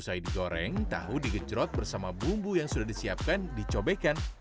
setelah digoreng tahu digecrot bersama bumbu yang sudah disiapkan dicobekkan